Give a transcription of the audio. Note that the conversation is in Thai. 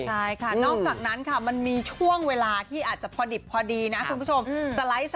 ใช่ค่ะนอกจากนั้นค่ะมันมีช่วงเวลาที่อาจจะพอดิบพอดีนะคุณผู้ชม